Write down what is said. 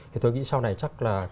thì tôi nghĩ sau này chắc là